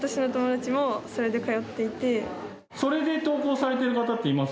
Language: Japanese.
それで登校されてる方っています？